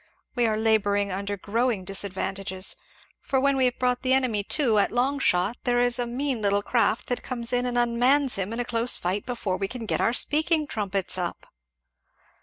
We are labouring under growing disadvantages; for when we have brought the enemy to at long shot there is a mean little craft that comes in and unmans him in a close fight before we can get our speaking trumpets up."